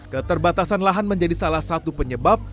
keterbatasan lahan menjadi salah satu penyebab